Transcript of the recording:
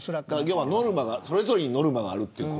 それぞれに、ノルマがある。